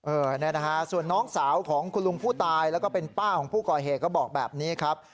เนี่ยนะฮะส่วนน้องสาวของคุณลุงผู้ตายแล้วก็เป็นป้าของผู้ก่อเหตุก็บอกแบบนี้ครับ